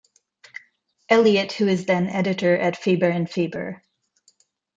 Eliot, who was then editor at Faber and Faber.